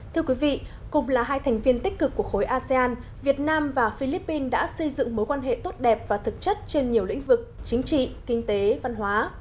thưa quý vị cùng là hai thành viên tích cực của khối asean việt nam và philippines đã xây dựng mối quan hệ tốt đẹp và thực chất trên nhiều lĩnh vực chính trị kinh tế văn hóa